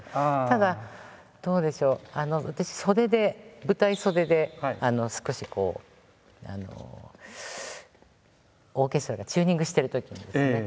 ただどうでしょう私袖で舞台袖で少しこうオーケストラがチューニングしてるときにですね